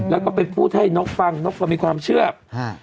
แล้วก็ไปพูดให้นกฟังนกก็มีความเชื่อฮะ